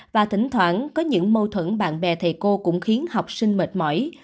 và thỉnh thoảng có những mâu thuẫn bạn bè thầy cô cũng khiến học sinh mệt mỏi